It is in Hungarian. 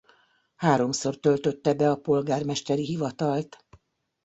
Háromszor töltötte be a polgármesteri hivatalt.